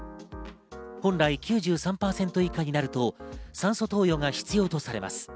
本来９３％以下になると酸素投与が必要とされます。